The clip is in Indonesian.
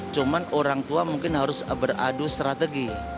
cuma orang tua mungkin harus beradu strategi